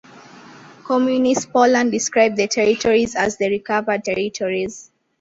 Communist Poland described the territories as the "Recovered Territories".